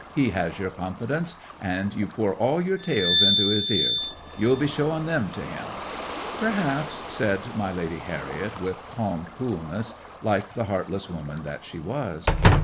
he has your confidence, and you pour all your tales into his ear. You'll be showing them to him!" '"Perhaps," said my lady Harriet, with calm coolness, like the heartless woman that she was.